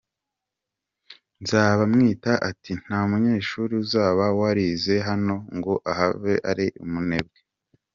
Nzabamwita ati “nta munyeshuri uzaba warize hano ngo ahave ari umunebwe.